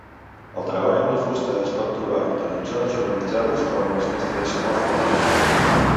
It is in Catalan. El treball amb la fusta es pot trobar tant en zones urbanitzades com en les més tradicionals del Marroc.